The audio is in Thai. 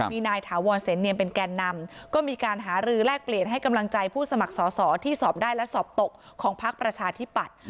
มีนายถาวรเสนเนียมเป็นแก่นำก็มีการหารือแลกเปลี่ยนให้กำลังใจผู้สมัครสอสอที่สอบได้และสอบตกของพักประชาธิปัตย์